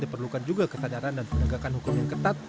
diperlukan juga kesadaran dan penegakan hukum yang ketat